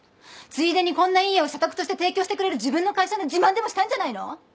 ついでにこんないい家を社宅として提供してくれる自分の会社の自慢でもしたんじゃないの？